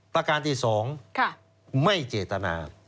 ประการที่๒ไม่เจตนา